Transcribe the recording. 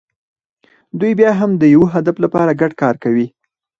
دوی بیا هم د یوه هدف لپاره ګډ کار کوي.